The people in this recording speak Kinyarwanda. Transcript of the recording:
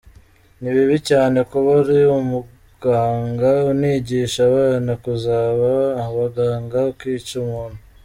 Ni bibi cyane kuba uri umuganga, unigisha abana kuzaba abaganga, ukica umuntu.